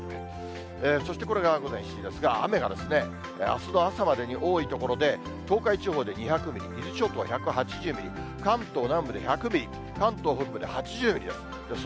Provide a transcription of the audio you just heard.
そしてこれが、午前７時ですが、雨が、あすの朝までに多い所で、東海地方で２００ミリ、伊豆諸島は１８０ミリ、関東南部で１００ミリ、関東北部で８０ミリです。